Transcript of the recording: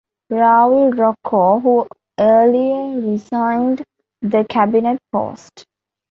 Raul Roco, who earlier resigned the cabinet post.